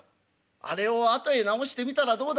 あれを後へ直してみたらどうだろうな。